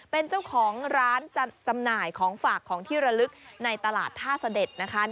เป็นเจ้าของร้านจัดจำหน่ายของฝากของที่ระลึกในตลาดท่าเสด็จนะคะ